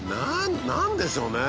何何でしょうね？